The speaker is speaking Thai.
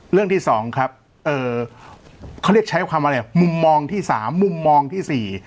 เรื่องที่สองครับเอ่อเขาเรียกใช้ความอะไรมุมมองที่สามมุมมองที่สี่